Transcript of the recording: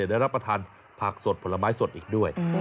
ได้รับประทานผักสดผลไม้สดอีกด้วย